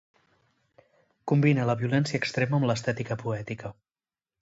Combina la violència extrema amb l'estètica poètica.